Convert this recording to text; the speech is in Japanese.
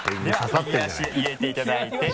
では右足入れていただいて。